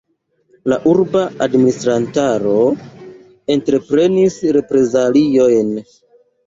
La urba administrantaro entreprenis reprezaliojn.